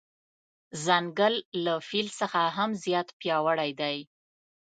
ځنګل له فیل څخه هم زیات پیاوړی دی.